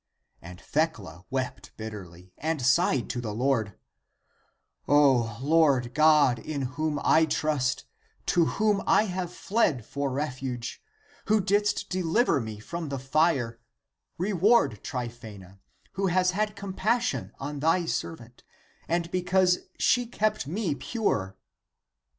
And Thecla wept bitterly, and sighed to the Lord, " O Lord God, in whom I trust, to whom I have fled for refuge, who didst deliver me from the fire, re ward Tryphsena, who has had compassion on thy servant, and because she kept me pure."